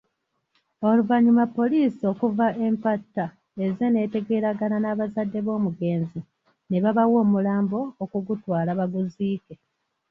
Oluvannyuma poliisi okuva e Mpatta ezze n'etegeeragana n'abazadde b'omugenzi nebabawa omulambo okugutwala baguziike.